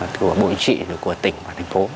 của bộ chính trị của tỉnh và thành phố